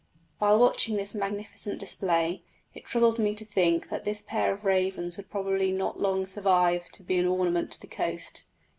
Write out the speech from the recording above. While watching this magnificent display it troubled me to think that this pair of ravens would probably not long survive to be an ornament to the coast.